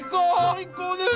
最高です！